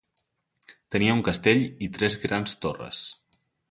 Tenia un castell i tres grans torres: